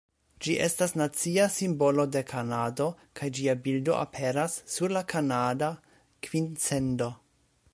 Ĝi estas nacia simbolo de Kanado kaj ĝia bildo aperas sur la kanada kvin-cendo.